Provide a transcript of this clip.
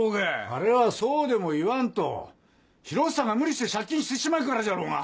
あれはそうでも言わんとひろっさんが無理して借金してしまうからじゃろうが。